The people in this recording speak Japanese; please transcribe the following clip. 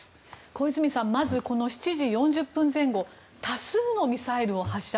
小泉さんまず７時４０分前後多数のミサイルを発射